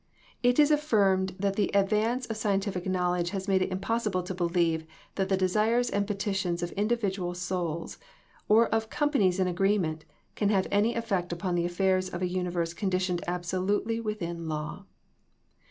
It is affirmed that the advance of scientific knowl edge has made it impossible to believe that the desires and petitions of individual souls or of companies in agreement can have any effect upon the affairs of a universe conditioned absolutely within law.